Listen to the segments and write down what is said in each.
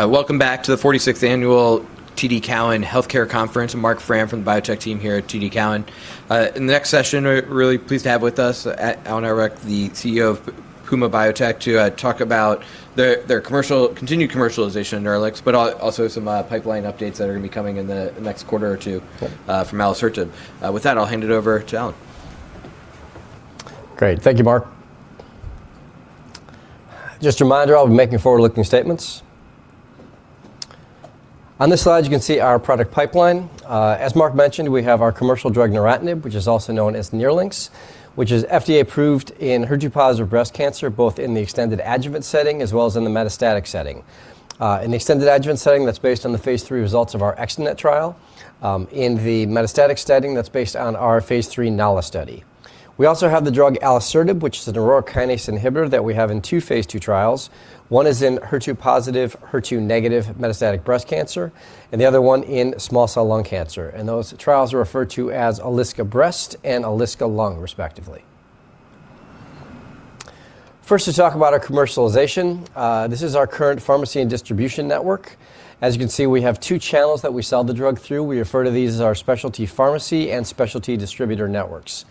Welcome back to the 46th annual TD Cowen Health Care Conference. I'm Marc Frahm from the biotech team here at TD Cowen. In the next session, we're really pleased to have with us, Alan H. Auerbach, the CEO of Puma Biotech, to talk about their continued commercialization of NERLYNX, but also some pipeline updates that are gonna be coming in the next quarter or 2. Okay. from Alisertib. With that, I'll hand it over to Alan. Great. Thank you, Marc. Just a reminder, I'll be making forward-looking statements. On this slide, you can see our product pipeline. As Marc mentioned, we have our commercial drug neratinib, which is also known as NERLYNX, which is FDA approved in HER2-positive breast cancer, both in the extended adjuvant setting as well as in the metastatic setting. In the extended adjuvant setting, that's based on the phase III results of our ExteNET trial. In the metastatic setting, that's based on our phase III NALA study. We also have the drug alisertib, which is an Aurora kinase inhibitor that we have in 2 phase II trials. 1 is in HER2-positive, HER2-negative metastatic breast cancer, and the other 1 in small cell lung cancer. Those trials are referred to as ALISCA-Breast and ALISCA-Lung, respectively. 1st, to talk about our commercialization. This is our current pharmacy and distribution network. As you can see, we have 2 channels that we sell the drug through. We refer to these as our specialty pharmacy and specialty distributor networks.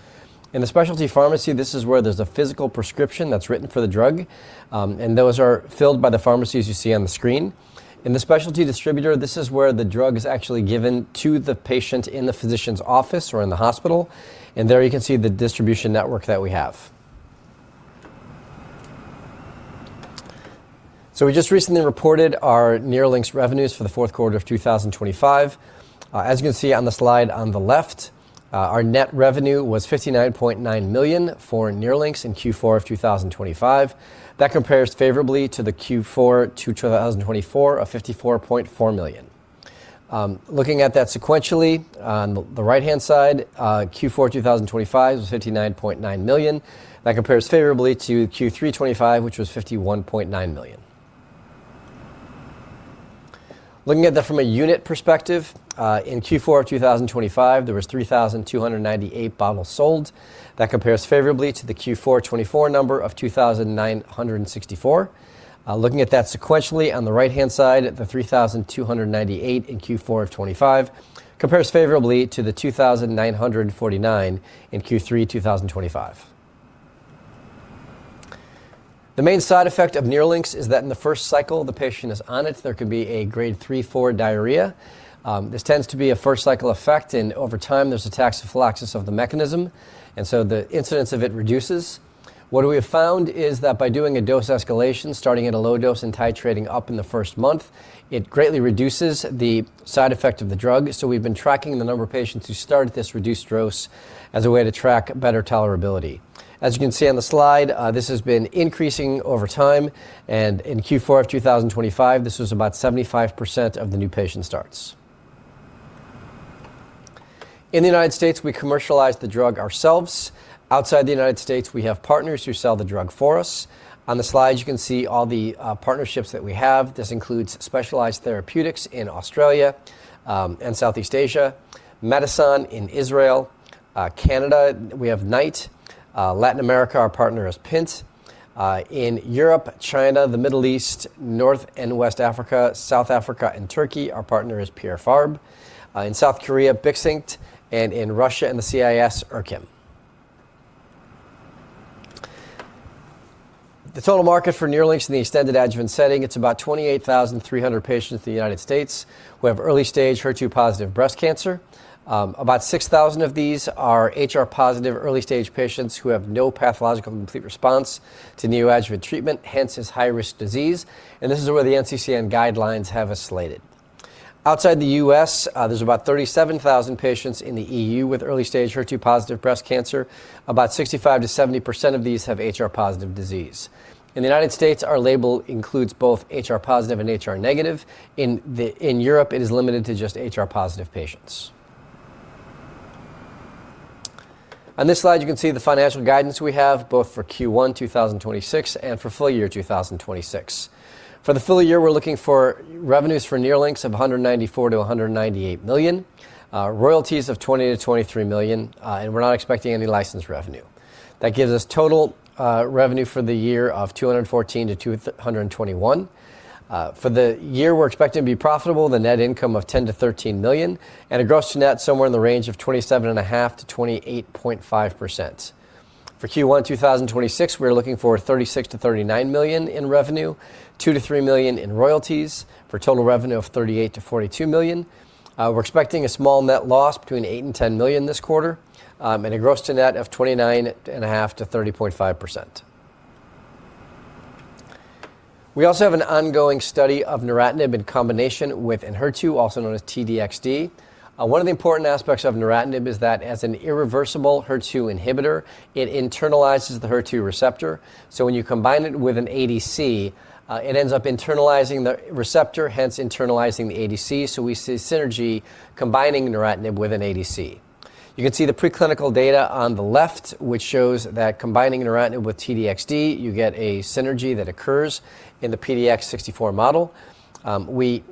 In the specialty pharmacy, this is where there's a physical prescription that's written for the drug, and those are filled by the pharmacies you see on the screen. In the specialty distributor, this is where the drug is actually given to the patient in the physician's office or in the hospital. There you can see the distribution network that we have. We just recently reported our NERLYNX revenues for the Q4 of 2025. As you can see on the slide on the left, our net revenue was $59.9 million for NERLYNX in Q4 of 2025. That compares favorably to the Q4 2024 of $54.4 million. Looking at that sequentially, on the right-hand side, Q4 2025 was $59.9 million. That compares favorably to Q3 2025, which was $51.9 million. Looking at that from a unit perspective, in Q4 2025, there was 3,298 bottles sold. That compares favorably to the Q4 2024 number of 2,964. Looking at that sequentially on the right-hand side, the 3,298 in Q4 2025 compares favorably to the 2,949 in Q3 2025. The main side effect of NERLYNX is that in the 1st cycle the patient is on it, there could be a grade 3/4 diarrhea. This tends to be a 1st cycle effect, over time there's a tachyphylaxis of the mechanism, the incidence of it reduces. What we have found is that by doing a dose escalation, starting at a low dose and titrating up in the 1st month, it greatly reduces the side effect of the drug. We've been tracking the number of patients who start at this reduced dose as a way to track better tolerability. As you can see on the slide, this has been increasing over time, in Q4 of 2025, this was about 75% of the new patient starts. In the United States, we commercialize the drug ourselves. Outside the United States, we have partners who sell the drug for us. On the slide, you can see all the partnerships that we have. This includes Specialised Therapeutics in Australia, and Southeast Asia, Medison in Israel, Canada, we have Knight, Latin America, our partner is Pint, in Europe, China, the Middle East, North and West Africa, South Africa and Turkey, our partner is Pierre Fabre, in South Korea, BIXINK, and in Russia and the CIS, Eir-Kim. The total market for NERLYNX in the extended adjuvant setting, it's about 28,300 patients in the U.S. who have early-stage HER2-positive breast cancer. About 6,000 of these are HR-positive early-stage patients who have no pathological complete response to neoadjuvant treatment, hence this high-risk disease. This is where the NCCN guidelines have us slated. Outside the U.S., there's about 37,000 patients in the EU with early-stage HER2-positive breast cancer. About 65%-70% of these have HR-positive disease. In the United States, our label includes both HR-positive and HR-negative. In Europe, it is limited to just HR-positive patients. On this slide, you can see the financial guidance we have both for Q1 2026 and for full year 2026. For the full year, we're looking for revenues for NERLYNX of $194 million to $198 million, royalties of $20 million to $23 million, and we're not expecting any license revenue. That gives us total revenue for the year of $214 million to $221 million. For the year, we're expecting to be profitable with a net income of $10 million to $13 million and a gross to net somewhere in the range of 27.5% to 28.5%. For Q1 2026, we're looking for $36 million to $39 million in revenue, $2 million to $3 million in royalties for total revenue of $38 million to $42 million. We're expecting a small net loss between $8 million and $10 million this quarter, and a gross to net of 29.5% to 30.5%. We also have an ongoing study of neratinib in combination with Enhertu, also known as T-DXd. One of the important aspects of neratinib is that as an irreversible HER2 inhibitor, it internalizes the HER2 receptor, so when you combine it with an ADC, it ends up internalizing the receptor, hence internalizing the ADC, so we see synergy combining neratinib with an ADC. You can see the preclinical data on the left, which shows that combining neratinib with T-DXd, you get a synergy that occurs in the PDX64 model. We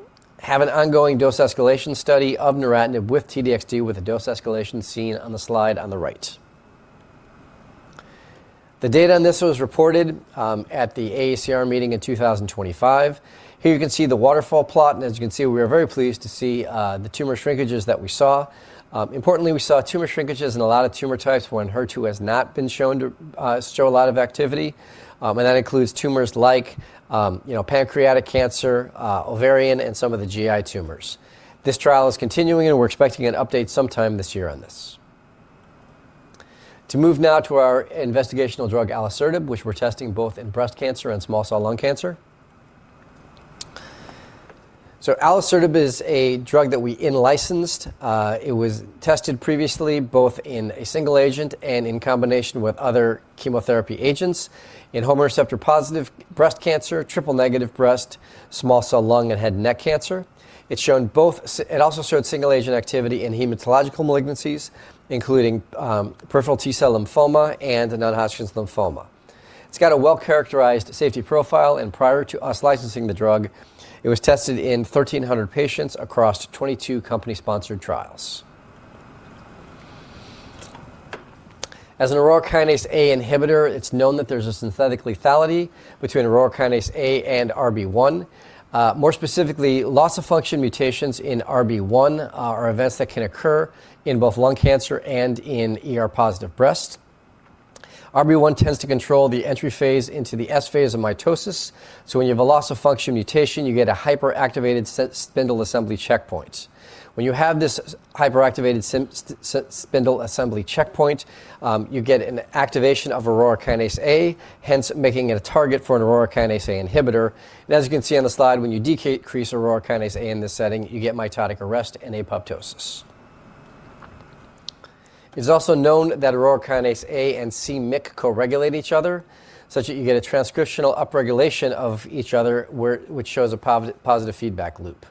have an ongoing dose escalation study of neratinib with T-DXd with a dose escalation seen on the slide on the right. The data on this was reported at the AACR meeting in 2025. Here you can see the waterfall plot, and as you can see, we are very pleased to see the tumor shrinkages that we saw. Importantly, we saw tumor shrinkages in a lot of tumor types when HER2 has not been shown to show a lot of activity, and that includes tumors like, you know, pancreatic cancer, ovarian, and some of the GI tumors. This trial is continuing, and we're expecting an update sometime this year on this. To move now to our investigational drug, alisertib, which we're testing both in breast cancer and small cell lung cancer. Alisertib is a drug that we in-licensed. It was tested previously both in a single agent and in combination with other chemotherapy agents in hormone receptor-positive breast cancer, triple-negative breast, small cell lung, and head and neck cancer. It also showed single-agent activity in hematological malignancies, including peripheral T cell lymphoma and the non-Hodgkin's lymphoma. It's got a well-characterized safety profile, and prior to us licensing the drug, it was tested in 1,300 patients across 22 company-sponsored trials. As an Aurora kinase A inhibitor, it's known that there's a synthetic lethality between Aurora kinase A and RB1. More specifically, loss of function mutations in RB1 are events that can occur in both lung cancer and in HR-positive breast. RB1 tends to control the entry phase into the S phase of mitosis, so when you have a loss of function mutation, you get a hyperactivated set spindle assembly checkpoint. When you have this hyperactivated spindle assembly checkpoint, you get an activation of Aurora kinase A, hence making it a target for an Aurora kinase A inhibitor. As you can see on the slide, when you decrease Aurora kinase A in this setting, you get mitotic arrest and apoptosis. It's also known that Aurora kinase A and c-Myc co-regulate each other, such that you get a transcriptional upregulation of each other which shows a positive feedback loop.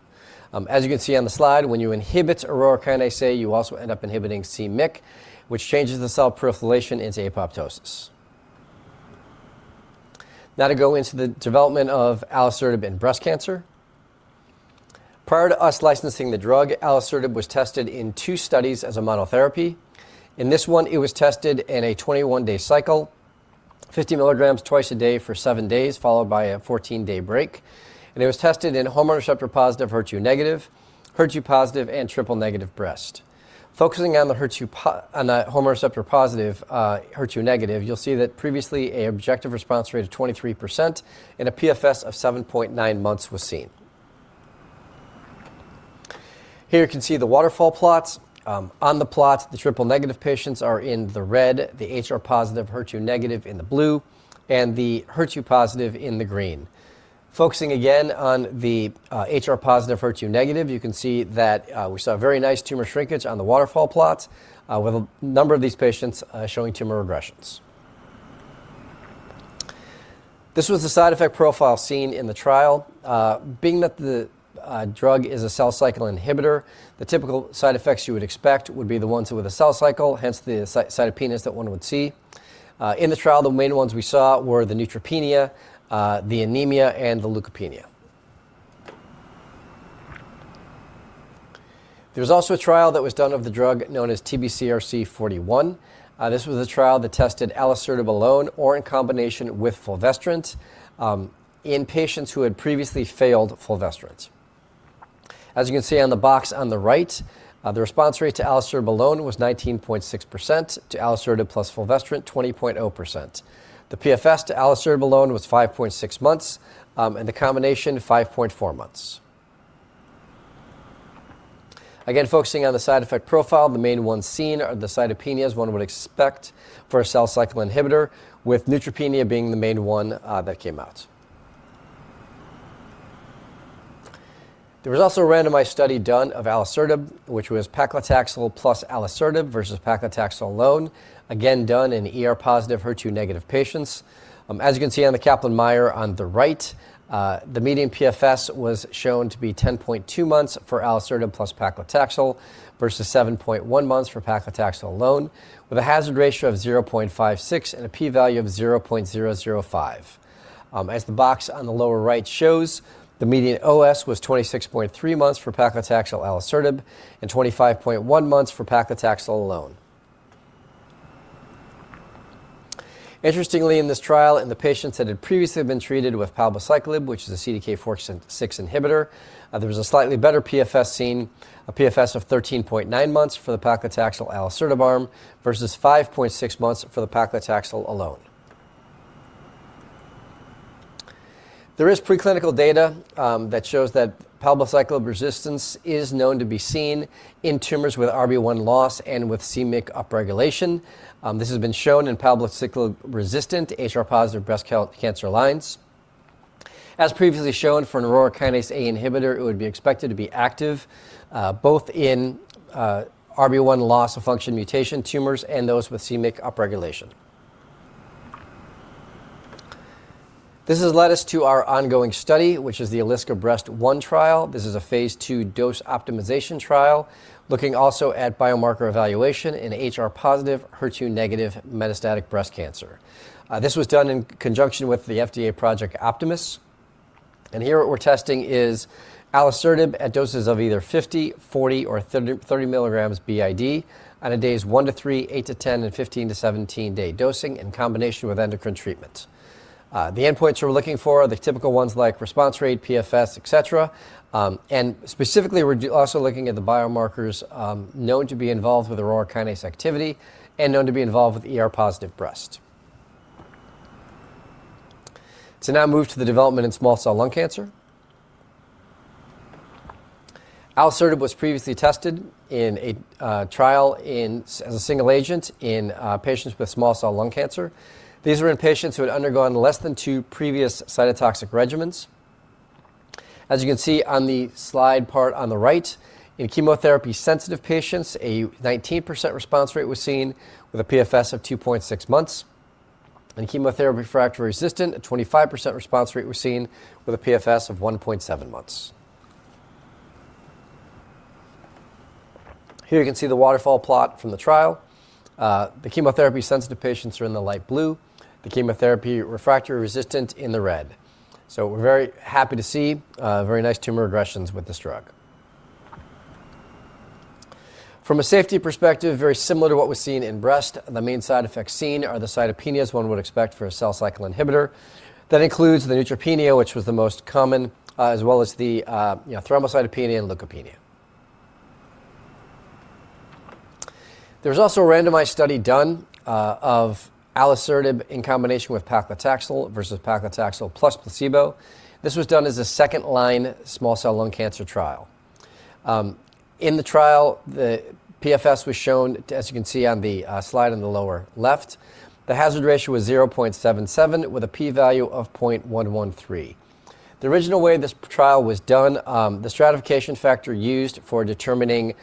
As you can see on the slide, when you inhibit Aurora kinase A, you also end up inhibiting c-Myc, which changes the cell proliferation into apoptosis. Now to go into the development of alisertib in breast cancer. Prior to us licensing the drug, alisertib was tested in 2 studies as a monotherapy. In this one, it was tested in a 21-day cycle, 50 mg twice a day for 7 days, followed by a 14-day break. It was tested in hormone receptor-positive, HER2-negative, HER2-positive, and triple-negative breast. Focusing on hormone receptor-positive, HER2-negative, you'll see that previously a objective response rate of 23% and a PFS of 7.9 months was seen. Here you can see the waterfall plots. On the plot, the triple-negative patients are in the red, the HR-positive, HER2-negative in the blue, and the HER2-positive in the green. Focusing again on the HR-positive, HER2-negative, you can see that we saw very nice tumor shrinkage on the waterfall plots with a number of these patients showing tumor regressions. This was the side effect profile seen in the trial. Being that the drug is a cell cycle inhibitor, the typical side effects you would expect would be the ones with the cell cycle, hence the cytopenias that one would see. In the trial, the main ones we saw were the neutropenia, the anemia, and the leukopenia. There was also a trial that was done of the drug known as TBCRC 041. This was a trial that tested alisertib alone or in combination with fulvestrant in patients who had previously failed fulvestrant. As you can see on the box on the right, the response rate to alisertib alone was 19.6%. To alisertib plus fulvestrant, 20.0%. The PFS to alisertib alone was 5.6 months, and the combination, 5.4 months. Again, focusing on the side effect profile, the main ones seen are the cytopenias one would expect for a cell cycle inhibitor, with neutropenia being the main one, that came out. There was also a randomized study done of alisertib, which was paclitaxel plus alisertib versus paclitaxel alone, again done in ER-positive, HER2 negative patients. As you can see on the Kaplan-Meier on the right, the median PFS was shown to be 10.2 months for alisertib plus paclitaxel versus 7.1 months for paclitaxel alone, with a hazard ratio of 0.56 and a P value of 0.005. As the box on the lower right shows, the median OS was 26.3 months for paclitaxel/alisertib and 25.1 months for paclitaxel alone. Interestingly, in this trial, in the patients that had previously been treated with palbociclib, which is a CDK4/6 inhibitor, there was a slightly better PFS seen, a PFS of 13.9 months for the paclitaxel/alisertib arm versus 5.6 months for the paclitaxel alone. There is preclinical data that shows that palbociclib resistance is known to be seen in tumors with RB1 loss and with c-Myc upregulation. This has been shown in palbociclib-resistant HR-positive breast cancer lines. As previously shown, for an Aurora kinase A inhibitor, it would be expected to be active both in RB1 loss of function mutation tumors and those with c-Myc upregulation. This has led us to our ongoing study, which is the ALISCA-Breast1 trial. This is a phase II dose optimization trial looking also at biomarker evaluation in HR-positive, HER2-negative metastatic breast cancer. This was done in conjunction with the FDA Project Optimus. Here what we're testing is alisertib at doses of either 50, 40, or 30 mg BID on days 1 to 3, 8t to 10, and 15 to 17 day dosing in combination with endocrine treatment. The endpoints we're looking for are the typical ones like response rate, PFS, et cetera. And specifically, we're also looking at the biomarkers known to be involved with Aurora kinase activity and known to be involved with ER-positive breast. To now move to the development in small cell lung cancer. Alisertib was previously tested in a trial as a single agent in patients with small cell lung cancer. These were in patients who had undergone less than 2 previous cytotoxic regimens. As you can see on the slide part on the right, in chemotherapy-sensitive patients, a 19% response rate was seen with a PFS of 2.6 months. In chemotherapy refractory resistant, a 25% response rate was seen with a PFS of 1.7 months. Here you can see the waterfall plot from the trial. The chemotherapy-sensitive patients are in the light blue, the chemotherapy refractory resistant in the red. We're very happy to see very nice tumor regressions with this drug. From a safety perspective, very similar to what was seen in breast, the main side effects seen are the cytopenias one would expect for a cell cycle inhibitor. That includes the neutropenia, which was the most common, as well as the yeah, thrombocytopenia and leukopenia. There was also a randomized study done of Alisertib in combination with paclitaxel versus paclitaxel plus placebo. This was done as a 2nd-line small cell lung cancer trial. In the trial, the PFS was shown, as you can see on the slide in the lower left, the hazard ratio was 0.77 with a P value of 0.113. The original way this trial was done, the stratification factor used for determining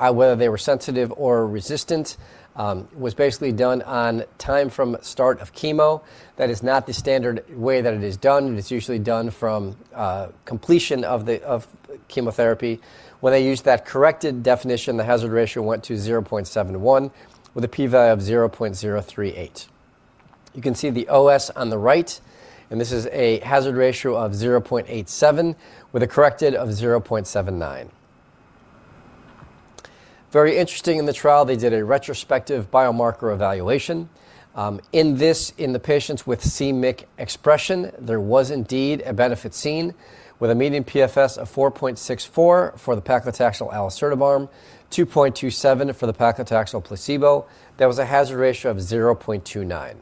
whether they were sensitive or resistant was basically done on time from start of chemo. That is not the standard way that it is done. It's usually done from completion of chemotherapy. When they used that corrected definition, the hazard ratio went to 0.71 with a P value of 0.038. You can see the OS on the right, and this is a hazard ratio of 0.87 with a corrected of 0.79. Very interesting in the trial, they did a retrospective biomarker evaluation. In this, in the patients with c-MYC expression, there was indeed a benefit seen with a median PFS of 4.64 for the paclitaxel alisertib arm, 2.27 for the paclitaxel placebo. That was a hazard ratio of 0.29.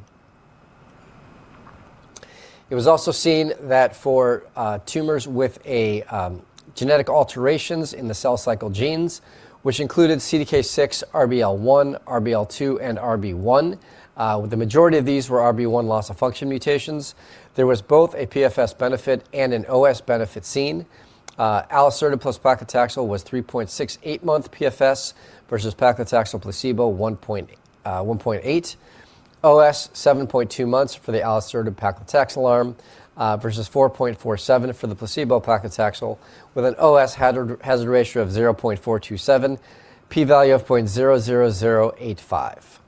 It was also seen that for tumors with a genetic alterations in the cell cycle genes, which included CDK6, RBL1, RBL2, and RB1, the majority of these were RB1 loss of function mutations, there was both a PFS benefit and an OS benefit seen. Alisertib plus paclitaxel was 3.68-month PFS versus paclitaxel placebo, 1.8. OS, 7.2 months for the Alisertib paclitaxel arm versus 4.47 for the placebo paclitaxel with an OS hazard ratio of 0.427, P value of 0.00085.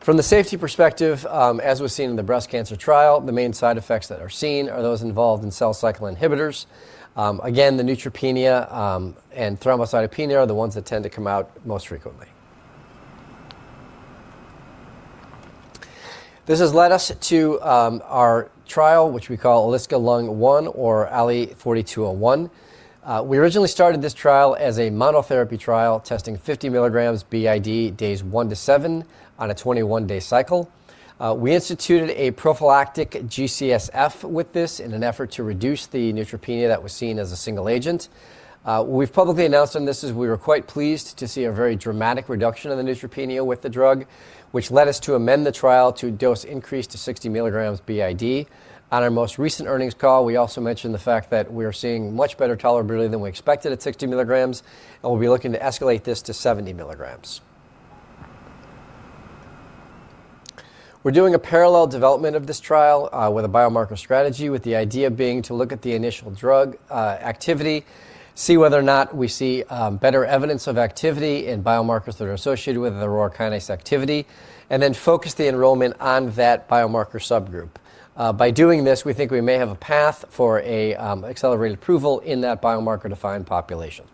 From the safety perspective, as we've seen in the breast cancer trial, the main side effects that are seen are those involved in cell cycle inhibitors. Again, the neutropenia and thrombocytopenia are the ones that tend to come out most frequently. This has led us to our trial, which we call ALISCA-Lung1 or ALLY-4201. We originally started this trial as a monotherapy trial testing 50 mg BID days 1 to 7 on a 21-day cycle. We instituted a prophylactic GCSF with this in an effort to reduce the neutropenia that was seen as a single agent. We've publicly announced on this as we were quite pleased to see a very dramatic reduction in the neutropenia with the drug, which led us to amend the trial to dose increase to 60 mg BID. On our most recent earnings call, we also mentioned the fact that we are seeing much better tolerability than we expected at 60 mg, and we'll be looking to escalate this to 70 mg. We're doing a parallel development of this trial with a biomarker strategy, with the idea being to look at the initial drug activity, see whether or not we see better evidence of activity in biomarkers that are associated with Aurora kinase activity, and then focus the enrollment on that biomarker subgroup. By doing this, we think we may have a path for a accelerated approval in that biomarker-defined population.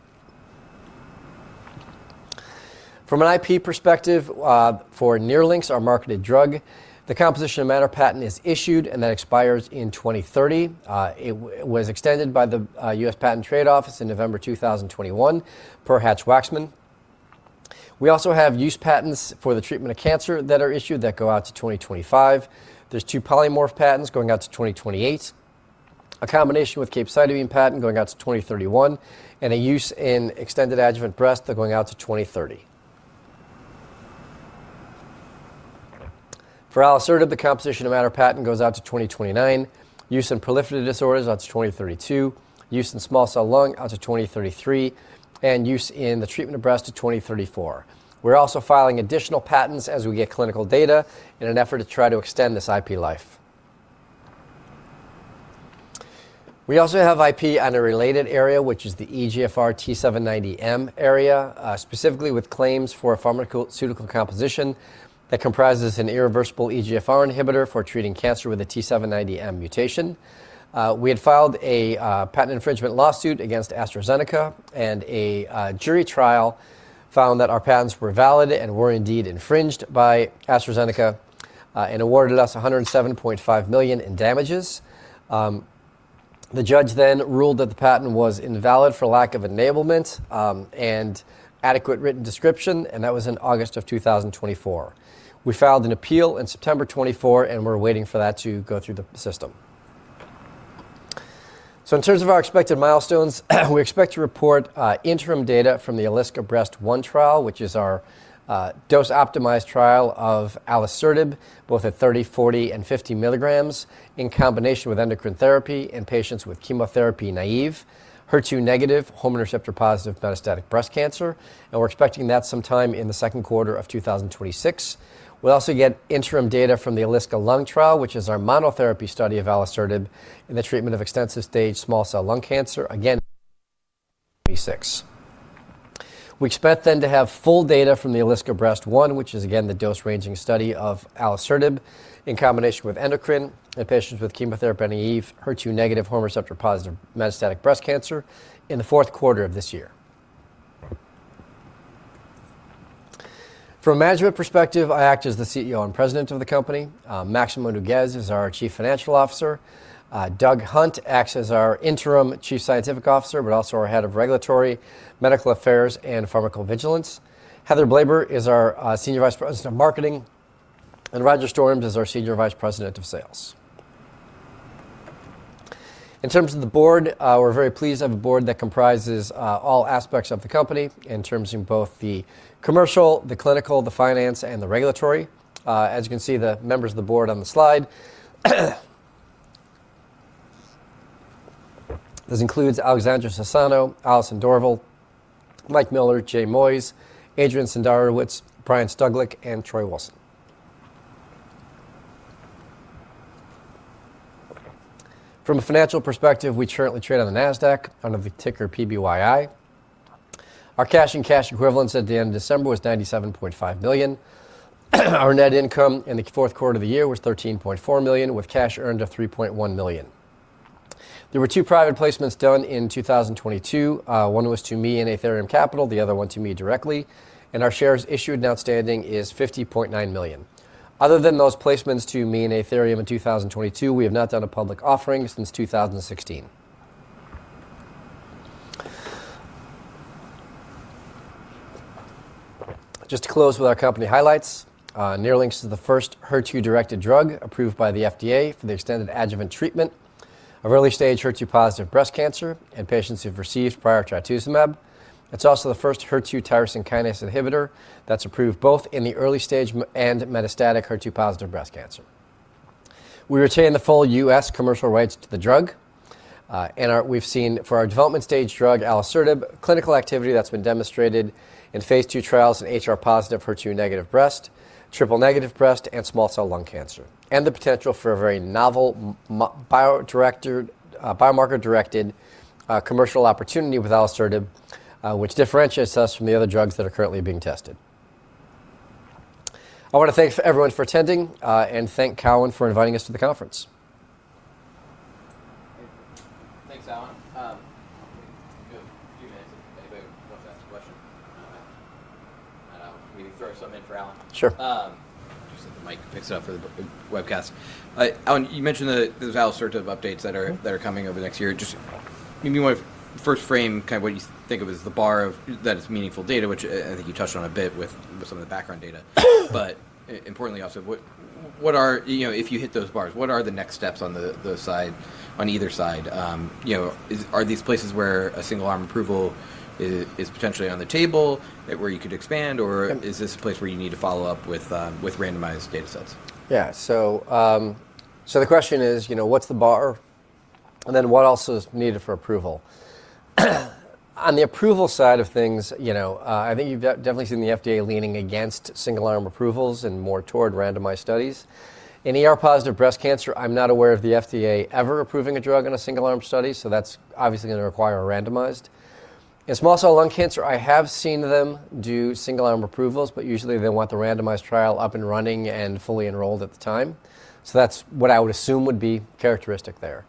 From an IP perspective, for NERLYNX, our marketed drug, the composition of matter patent is issued, and that expires in 2030. It was extended by the United States Patent and Trademark Office in November 2021 per Hatch-Waxman. We also have use patents for the treatment of cancer that are issued that go out to 2025. There's 2 polymorph patents going out to 2028, a combination with capecitabine patent going out to 2031, and a use in extended adjuvant breast going out to 2030. For alisertib, the composition of matter patent goes out to 2029, use in proliferative disorders out to 2032, use in small cell lung out to 2033, and use in the treatment of breast to 2034. We are also filing additional patents as we get clinical data in an effort to try to extend this IP life. We also have IP on a related area, which is the EGFR T790M area, specifically with claims for a pharmaceutical composition that comprises an irreversible EGFR inhibitor for treating cancer with a T790M mutation. We had filed a patent infringement lawsuit against AstraZeneca, and a jury trial found that our patents were valid and were indeed infringed by AstraZeneca, and awarded us $107.5 million in damages. The judge ruled that the patent was invalid for lack of enablement and adequate written description, and that was in August of 2024. We filed an appeal in September 2024, we're waiting for that to go through the system. In terms of our expected milestones, we expect to report interim data from the ALISCA-Breast1 trial, which is our dose-optimized trial of Alisertib, both at 30, 40, and 50 mg in combination with endocrine therapy in patients with chemotherapy-naive, HER2-negative, hormone receptor-positive metastatic breast cancer. We're expecting that sometime in the Q2 of 2026. We'll also get interim data from the ALISCA-Lung1 trial, which is our monotherapy study of Alisertib in the treatment of extensive-stage small cell lung cancer, again, 2026. We expect then to have full data from the ALISCA-Breast1, which is again the dose-ranging study of alisertib in combination with endocrine in patients with chemotherapy-naive, HER2-negative, hormone receptor-positive metastatic breast cancer in the Q4 of this year. From a management perspective, I act as the CEO and President of the company. Maximo Nougues is our Chief Financial Officer. Doug Hunt acts as our Interim Chief Scientific Officer, but also our Head of Regulatory, Medical Affairs, and Pharmacovigilance. Heather Blaber is our Senior Vice President of Marketing, and Roger Storms is our Senior Vice President of Sales. In terms of the board, we're very pleased to have a board that comprises all aspects of the company in terms of both the commercial, the clinical, the finance, and the regulatory. As you can see, the members of the board on the slide. This includes Alexandra Sasano, Allison Dorval, Mike Miller, Jay Moyes, Adrian Senderowicz, Brian Stuglik, and Troy Wilson. From a financial perspective, we currently trade on the Nasdaq under the ticker PBYI. Our cash and cash equivalents at the end of December was $97.5 million. Our net income in the Q4 of the year was $13.4 million, with cash earned of $3.1 million. There were 2 private placements done in 2022. 1 was to me and Athyrium Capital, the other 1 to me directly. Our shares issued and outstanding is 50.9 million. Other than those placements to me and Athyrium in 2022, we have not done a public offering since 2016. Just to close with our company highlights, NERLYNX is the 1st HER2-directed drug approved by the FDA for the extended adjuvant treatment of early-stage HER2-positive breast cancer in patients who've received prior trastuzumab. It's also the 1st HER2 tyrosine kinase inhibitor that's approved both in the early-stage and metastatic HER2-positive breast cancer. We retain the full U.S. commercial rights to the drug. We've seen for our development stage drug, Alisertib, clinical activity that's been demonstrated in phase II trials in HR-positive, HER2-negative breast, triple-negative breast, and small cell lung cancer, and the potential for a very novel biomarker-directed commercial opportunity with Alisertib, which differentiates us from the other drugs that are currently being tested. I wanna thank everyone for attending and thank Cowen for inviting us to the conference. Thanks, Alan. We have a few minutes if anybody wants to ask a question. I'll maybe throw something in for Alan. Sure. Just so the mic picks up for the webcast. Alan, you mentioned the, those Alisertib updates. Mm-hmm. That are coming over the next year. Just maybe want to first frame kinda what you think of as the bar that is meaningful data, which I think you touched on a bit with some of the background data. Importantly also, what are, you know, if you hit those bars, what are the next steps on the side on either side? You know, are these places where a single arm approval is potentially on the table where you could expand? Or? Yeah. Is this a place where you need to follow up with randomized data sets? The question is, you know, what's the bar, and then what else is needed for approval? On the approval side of things, you know, I think you've definitely seen the FDA leaning against single arm approvals and more toward randomized studies. In ER-positive breast cancer, I'm not aware of the FDA ever approving a drug in a single-arm study, that's obviously gonna require a randomized. In small cell lung cancer, I have seen them do single-arm approvals, but usually, they want the randomized trial up and running and fully enrolled at the time. That's what I would assume would be characteristic there.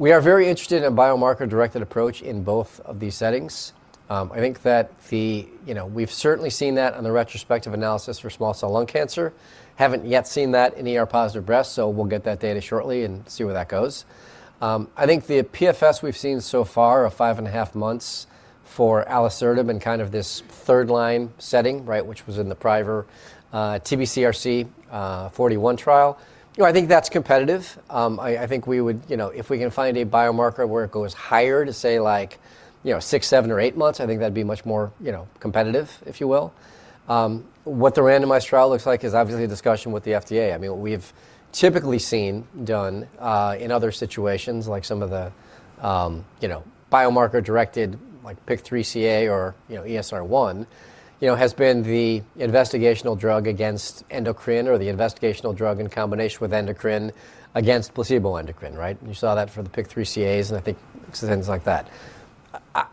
We are very interested in biomarker-directed approach in both of these settings. You know, we've certainly seen that on the retrospective analysis for small cell lung cancer. Haven't yet seen that in ER-positive breast. We'll get that data shortly and see where that goes. I think the PFS we've seen so far of 5 and a half months for alisertib in kind of this 3rd line setting, right, which was in the prior, TBCRC 41 trial. You know, I think that's competitive. I think we would... You know, if we can find a biomarker where it goes higher to, say, like, you know, 6, 7, or 8 months, I think that'd be much more, you know, competitive, if you will. What the randomized trial looks like is obviously a discussion with the FDA. I mean, what we've typically seen done, in other situations, like some of the, you know, biomarker-directed, like PIK3CA or, you know, ESR1, you know, has been the investigational drug against endocrine or the investigational drug in combination with endocrine against placebo endocrine, right? You saw that for the PIK3CAs and I think some things like that.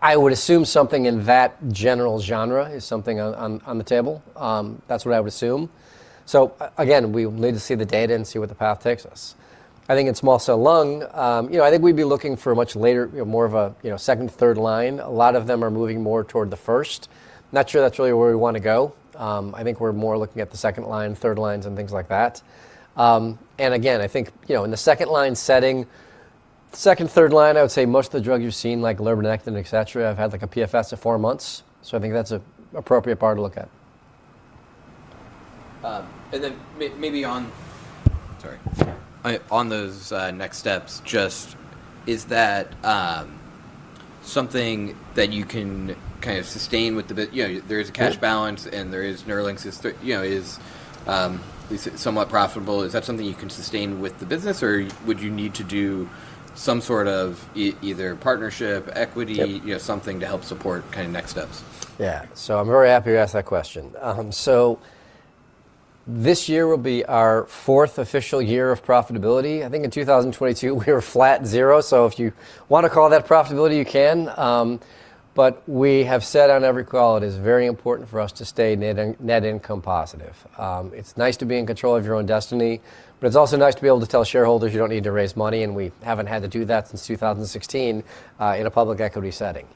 I would assume something in that general genre is something on the table. That's what I would assume. Again, we wait to see the data and see what the path takes us. I think in small cell lung, you know, I think we'd be looking for a much later, you know, more of a, you know, 2nd, 3rd line. A lot of them are moving more toward the 1st. Not sure that's really where we wanna go. I think we're more looking at the 2nd line, 3rd lines, and things like that. I think, you know, in the 2nd line setting, 2nd, 3rd line, I would say most of the drugs you've seen, like lurbinectedin, et cetera, have had like a PFS of 4 months. I think that's an appropriate part to look at. Maybe on those next steps, just is that something that you can kind of sustain with the You know, there is a cash balance and there is NERLYNX you know, is somewhat profitable. Is that something you can sustain with the business, or would you need to do some sort of either partnership, equity? Yep you know, something to help support kind of next steps? I'm very happy you asked that question. This year will be our 4th official year of profitability. I think in 2022, we were flat 0, so if you want to call that profitability, you can. We have said on every call it is very important for us to stay net income positive. It's nice to be in control of your own destiny, but it's also nice to be able to tell shareholders you don't need to raise money, and we haven't had to do that since 2016, in a public equity setting.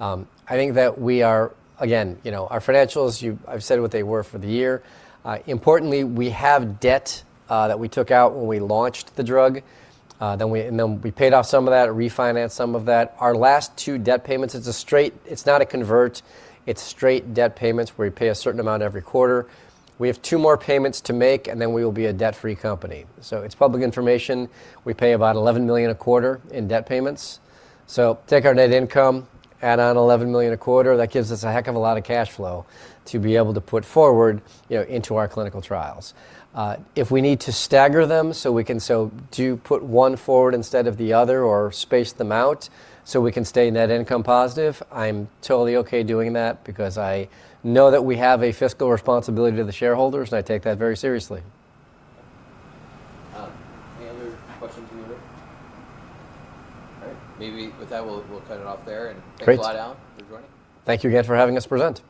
I think that we are, again, you know, our financials, I've said what they were for the year. Importantly, we have debt that we took out when we launched the drug, and then we paid off some of that, refinanced some of that. Our last 2 debt payments, it's a straight... It's not a convert. It's straight debt payments where you pay a certain amount every quarter. We have 2 more payments to make, and then we will be a debt-free company. It's public information. We pay about $11 million a quarter in debt payments. Take our net income, add on $11 million a quarter, that gives us a heck of a lot of cash flow to be able to put forward, you know, into our clinical trials. If we need to stagger them so we can put 1 forward instead of the other or space them out, so we can stay net income positive, I'm totally okay doing that because I know that we have a fiscal responsibility to the shareholders, and I take that very seriously. Any other questions from the group? All right. Maybe with that, we'll cut it off there. Great. Thanks a lot, Alan, for joining. Thank you again for having us present.